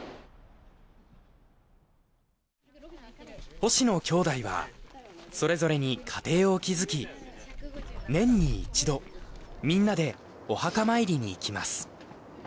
星野きょうだいはそれぞれに家庭を築き年に１度みんなでお墓参りに行きます。